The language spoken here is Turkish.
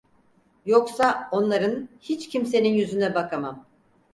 Yoksa onların, hiç kimsenin yüzüne bakamam.